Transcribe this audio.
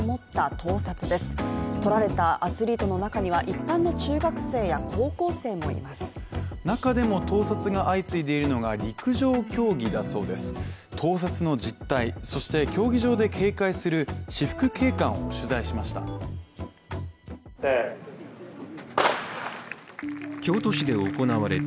盗撮の実態、そして競技場で警戒する私服警官を取材しました。